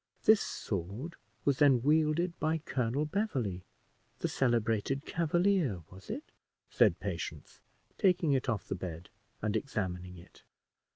"This sword was then wielded by Colonel Beverley, the celebrated Cavalier, was it?" said Patience, taking it off the bed, and examining it.